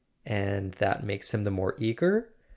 "And that makes him the more eager?"